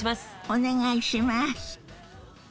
お願いします。